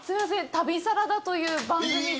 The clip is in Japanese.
旅サラダという番組で。